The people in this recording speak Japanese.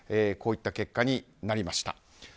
こういった結果になりました。